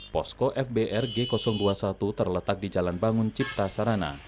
posko fbr g dua puluh satu terletak di jalan bangun cipta sarana